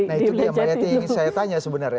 nah itu dia yang mbak yati ingin saya tanya sebenarnya